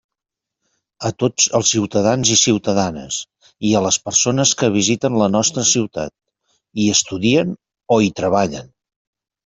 A tots els ciutadans i ciutadanes, i a les persones que visiten la nostra ciutat, hi estudien o hi treballen.